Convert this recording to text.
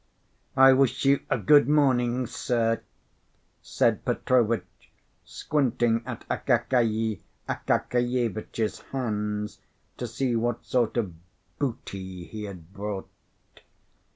"I wish you a good morning, sir," said Petrovitch, squinting at Akakiy Akakievitch's hands, to see what sort of booty he had brought.